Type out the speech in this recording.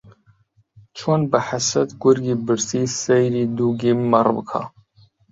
چۆن بە حەسرەت گورگی برسی سەیری دووگی مەڕ بکا